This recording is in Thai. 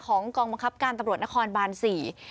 กองบังคับการตำรวจนครบานสี่